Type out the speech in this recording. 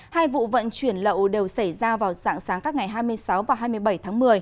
hai vụ vận chuyển lậu đều xảy ra vào sáng sáng các ngày hai mươi sáu và hai mươi bảy tháng một mươi